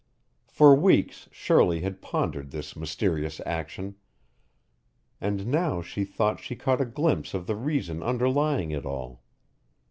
For weeks Shirley had pondered this mysterious action, and now she thought she caught a glimpse of the reason underlying it all.